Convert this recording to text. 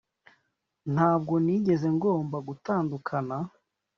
Ntabwo nigeze ngomba gutandukana